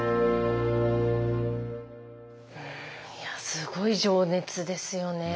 いやすごい情熱ですよね。